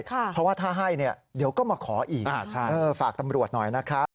เพราะว่าถ้าให้ก็มาขออีกฝากตำรวจหน่อยนะครับ